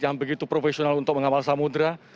yang begitu profesional untuk mengawal samudera